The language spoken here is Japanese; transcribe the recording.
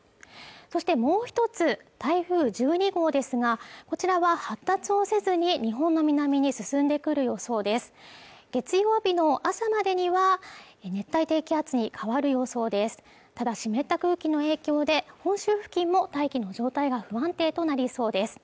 そしてもう一つ台風１２号ですがこちらは発達をせずに日本の南に進んでくる予想です月曜日の朝までには熱帯低気圧に変わる予想ですただ湿った空気の影響で本州付近も大気の状態が不安定となりそうです